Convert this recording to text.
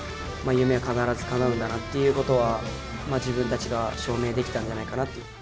夢は必ずかなうんだなということは、自分たちが証明できたんじゃないかなと。